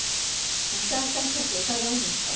また私たちを疑うんですか？